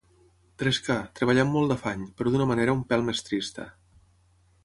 Trescar, treballar amb molt d'afany, però d'una manera un pèl més trista.